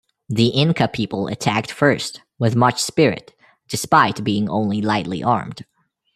The Inca people attacked first with much spirit despite being only lightly armed.